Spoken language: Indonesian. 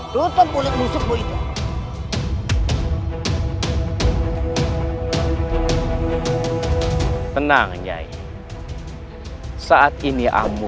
tetap boleh menyesalmu itu